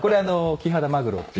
キハダマグロ？